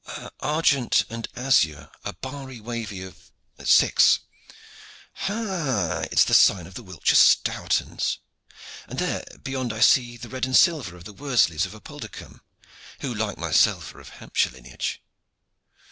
"Argent and azure, a barry wavy of six." "Ha, it is the sign of the Wiltshire Stourtons! And there beyond I see the red and silver of the Worsleys of Apuldercombe, who like myself are of Hampshire lineage.